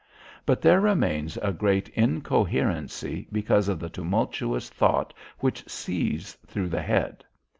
But there remains a great incoherency because of the tumultuous thought which seethes through the head.